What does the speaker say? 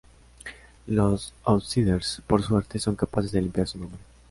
Los Outsiders, por suerte, son capaces de limpiar su nombre.